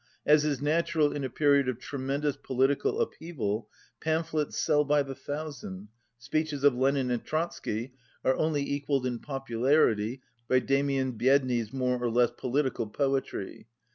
As is natural in a period of tremendous political upheaval pamphlets sell by the thousand, speeches of Lenin and Trot sky are only equalled in popularity by Dfemian Biedny's more or less political poetry.